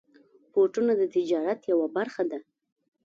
بوټونه د تجارت یوه برخه ده.